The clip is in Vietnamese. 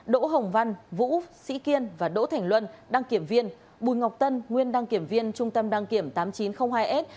đỗ hồng văn vũ sĩ kiên và đỗ thành luân đăng kiểm viên bùi ngọc tân nguyên đăng kiểm viên trung tâm đăng kiểm tám nghìn chín trăm linh hai s